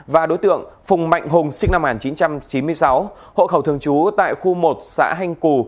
và đối tượng phùng mạnh hùng sinh năm một nghìn chín trăm chín mươi sáu hộ khẩu thường trú tại khu một xã hanh cù